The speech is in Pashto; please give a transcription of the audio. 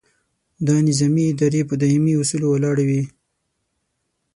دا نظامي ادارې په دایمي اصولو ولاړې وي.